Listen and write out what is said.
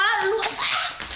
ah lu asal